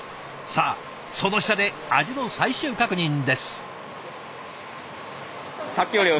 さあその舌で味の最終確認です。